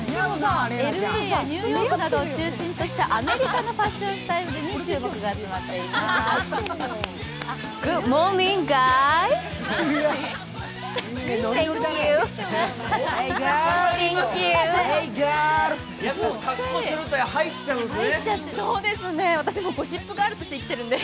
ニューヨークなどを中心としたアメリカのファッションスタイルに注目が集まっています。